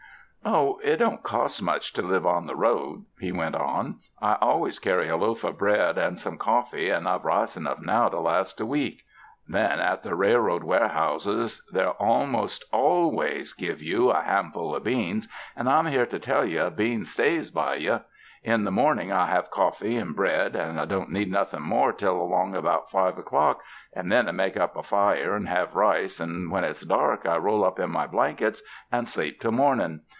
"Oh, it don't cost much to live on the road," he went on, "I always carry a loaf of bread and some coffee, and I've rice enough now to last a week. Then at the railroad warehouses they'll almost al 144 TTTF. FRANCISCAN MISSIONS ways give you a handful of beans, and I'm here to tell you beans stays by you. In the morning I have coffee and bread, and I don't need nothin' more till along al)out five o'clock and then I make up a fire and have rice, and when it's dark I roll up in my blankets and sleep till morning.